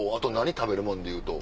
食べるもので言うと。